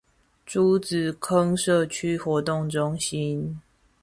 竹仔坑社區活動中心